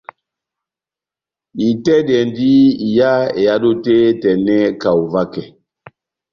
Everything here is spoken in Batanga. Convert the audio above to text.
Itɛ́dɛndi iha ehádo tɛ́h etɛnɛ kaho vakɛ.